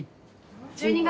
１２月。